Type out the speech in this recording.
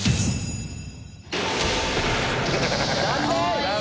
残念！